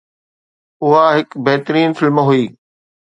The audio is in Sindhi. اها هڪ بهترين فلم هئي